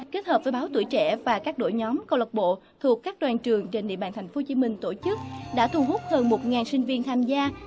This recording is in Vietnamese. kết hợp với báo tuổi trẻ và các đội nhóm câu lạc bộ thuộc các đoàn trường trên địa bàn tp hcm tổ chức đã thu hút hơn một sinh viên tham gia